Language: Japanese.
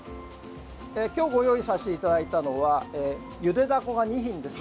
今日ご用意させていただいたのはゆでダコが２品です。